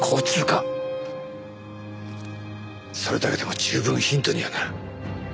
それだけでも十分ヒントにはなる。